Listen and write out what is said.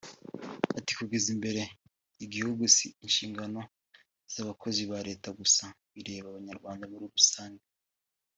Ati “guteza imbere igihugu si inshingano z’abakozi ba Leta gusa bireba Abanyarwanda muri rusange